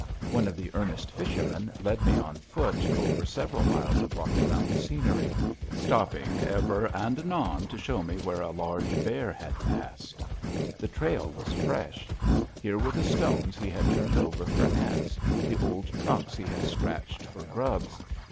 One of the earnest fishermen led me on foot over several miles of Rocky Mountain scenery, stopping ever and anon to show me where a large bear had just passed. The trail was fresh. Here were the stones he had turned over for ants, the old trunks he had scratched for grubs.